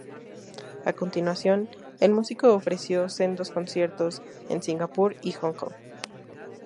A continuación, el músico ofreció sendos conciertos en Singapur y Hong Kong.